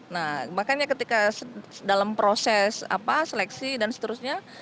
nah makanya ketika dalam proses seleksi dan seterusnya